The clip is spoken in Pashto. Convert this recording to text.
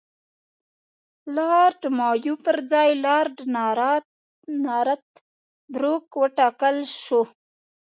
لارډ مایو پر ځای لارډ نارت بروک وټاکل شو.